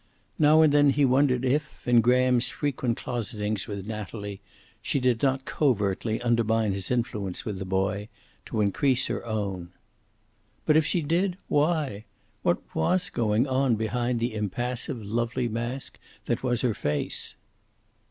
Now and then he wondered if, in Graham's frequent closetings with Natalie, she did not covertly undermine his influence with the boy, to increase her own. But if she did, why? What was going on behind the impassive, lovely mask that was her face.